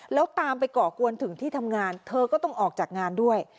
แล้วตามไปก่อกวนถึงที่ทำงานเธอก็ต้องออกจากงานด้วย